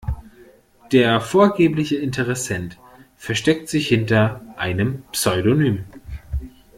Der vorgebliche Interessent versteckt sich hinter einem Pseudonym.